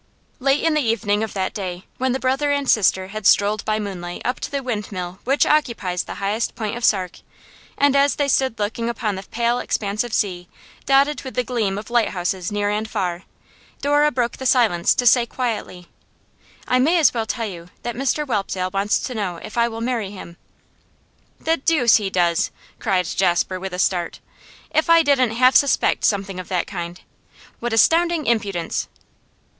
Late in the evening of that day, when the brother and sister had strolled by moonlight up to the windmill which occupies the highest point of Sark, and as they stood looking upon the pale expanse of sea, dotted with the gleam of light houses near and far, Dora broke the silence to say quietly: 'I may as well tell you that Mr Whelpdale wants to know if I will marry him.' 'The deuce he does!' cried Jasper, with a start. 'If I didn't half suspect something of that kind! What astounding impudence!